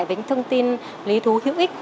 về những thông tin lý thú hữu ích